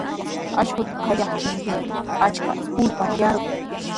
Akshuta allaptinchikmi achka kurpa yarqun.